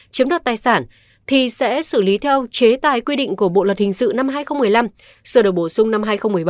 chiếm đoạt tài sản thì sẽ xử lý theo chế tài quy định của bộ luật hình sự năm hai nghìn một mươi năm sửa đổi bổ sung năm hai nghìn một mươi bảy